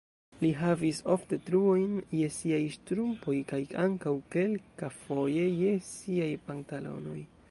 Li havis ofte truojn je siaj ŝtrumpoj kaj ankaŭ kelkafoje je siaj pantalonoj.